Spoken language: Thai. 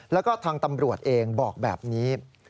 แล้วก็ทางตำรวจเองบอกแบบนี้